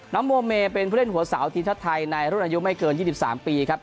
โมเมเป็นผู้เล่นหัวสาวทีมชาติไทยในรุ่นอายุไม่เกิน๒๓ปีครับ